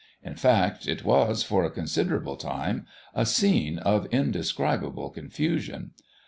In fact, it was, for a considerable time, a scene of indescribable confusion.